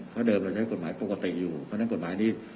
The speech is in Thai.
เพราะเดิมเราใช้กฎหมายปกติอยู่เพราะฉะนั้นกฎหมายนี้